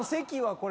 これ。